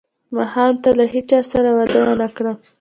ماښام ته له هیچا سره وعده ونه کړم.